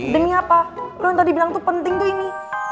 demi apa loh yang tadi bilang tuh penting tuh ini